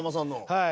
はい。